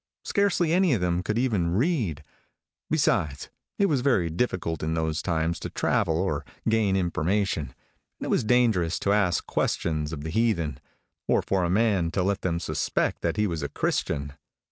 Scarcely any of them could even read. Besides, it was very difficult in those times to travel or gain information; and it was dangerous to ask questions of the heathen, or for a man to let them suspect that he was a Christian.